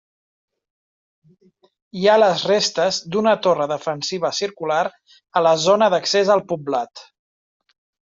Hi ha les restes d'una torre defensiva circular a la zona d'accés al poblat.